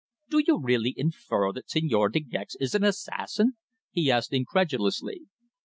"Do you really infer that Señor De Gex is an assassin?" he asked incredulously.